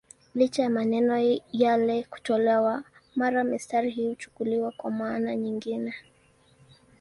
Licha ya maneno yale kutolewa, mara mistari hii huchukuliwa kwa maana nyingine.